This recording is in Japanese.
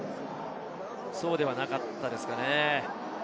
そうではなかったですかね。